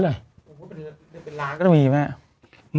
เอูะเป็นเดือนเดือนเป็นล้านก็ต้องมีไหม